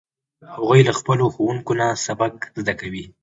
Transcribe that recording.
هغوی له خپلو ښوونکو نه سبق زده کوي